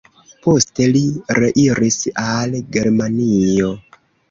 Poste li reiris al Germanio.